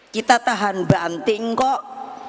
kita tahan banting kok